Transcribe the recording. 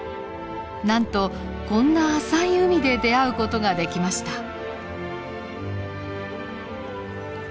なんとこんな浅い海で出会う事ができました。